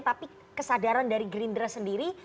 tapi kesadaran dari gerindra sendiri